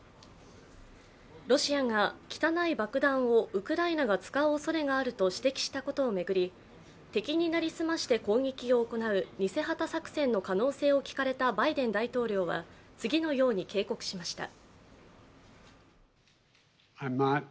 ロシアが汚い爆弾をウクライナが使うおそれがあると指摘したことを巡り、敵に成り済まして攻撃を行う、偽旗作戦の可能性を聞かれたバイデン大統領は次のように警告しました。